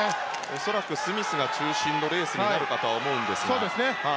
恐らくスミスが中心のレースになるかと思いますが。